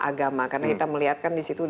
agama karena kita melihatkan di situ